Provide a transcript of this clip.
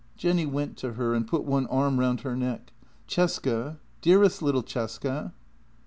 Jenny went to her and put one arm round her neck. " Cesca, dearest little Cesca